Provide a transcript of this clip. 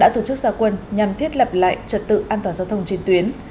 trật tự an toàn giao thông trên tuyến